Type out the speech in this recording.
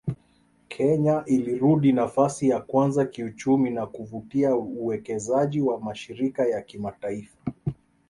Kenya ilirudi nafasi ya kwanza kiuchumi na kuvutia uwekezaji wa mashirika ya kimataifa